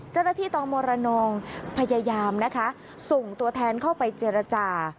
จรฐิต่อมอรณองพยายามส่งตัวแทนเข้าไปเจรจา